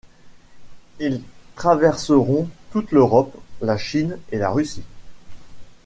Ils traverseront toute l’Europe, la Chine et la Russie.